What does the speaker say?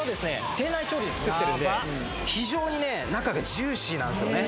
店内調理で作ってるんで非常にね中がジューシーなんすよね